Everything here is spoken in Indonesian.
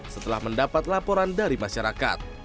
setelah mendapat laporan dari masyarakat